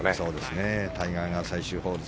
タイガーが最終ホール。